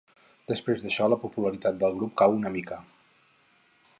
Després d'això, la popularitat del grup cau una mica.